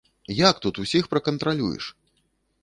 Як тут усіх пракантралюеш?